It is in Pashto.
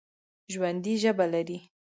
ژوندي ژبه لري